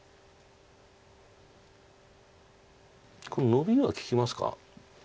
ノビは利きますか？